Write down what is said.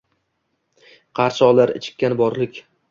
Qarshi olar ichikkan borliq.